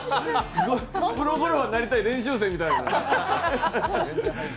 プロゴルファーになりたい練習生みたいな。